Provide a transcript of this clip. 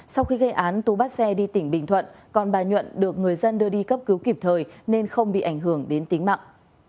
sau khi gây án tú bắt xe đi tỉnh bình thuận còn bà nhuận được người dân đưa đi cấp cứu kịp thời nên không bị ảnh hưởng đến tính mạng